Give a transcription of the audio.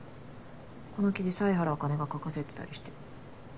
この記事犀原茜が書かせてたりして。